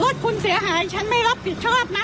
รถคุณเสียหายฉันไม่รับผิดชอบนะ